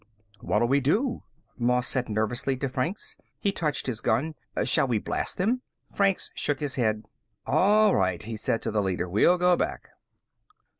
"What'll we do?" Moss said nervously to Franks. He touched his gun. "Shall we blast them?" Franks shook his head. "All right," he said to the leader. "We'll go back."